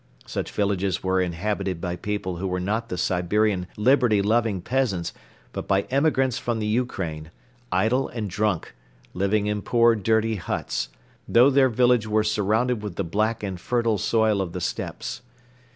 Such villages were inhabited by people who were not the Siberian liberty loving peasants but by emigrants from the Ukraine, idle and drunk, living in poor dirty huts, though their village were surrounded with the black and fertile soil of the steppes.